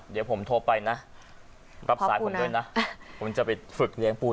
เดี๋ยวผมโทรไปนะรับสายผมด้วยนะผมจะไปฝึกเลี้ยงปู